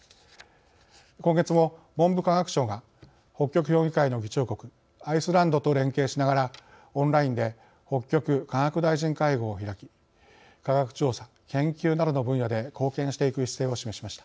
今月も文部科学省が北極評議会の議長国アイスランドと連携しながらオンラインで北極科学大臣会合を開き科学調査・研究などの分野で貢献していく姿勢を示しました。